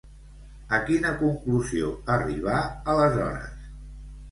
A quina conclusió arribà, aleshores?